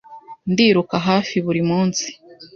Ndiruka hafi buri munsi.